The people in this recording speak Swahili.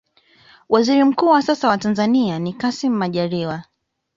waziri mkuu wa sasa wa tanzania ni kassim majaliwa